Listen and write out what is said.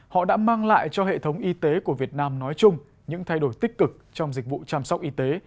họ đã mang lại cho hệ thống y tế của việt nam nói chung những thay đổi tích cực trong dịch vụ chăm sóc y tế